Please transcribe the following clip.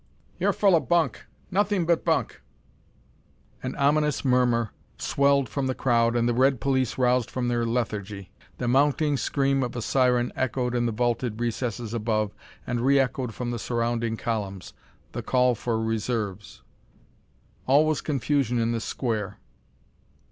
"You're full o' bunk! Nothing but bunk!" An ominous murmur swelled from the crowd and the red police roused from their lethargy. The mounting scream of a siren echoed in the vaulted recesses above and re echoed from the surrounding columns the call for reserves. All was confusion in the Square.